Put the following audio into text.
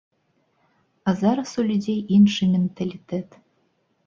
А зараз у людзей іншы менталітэт.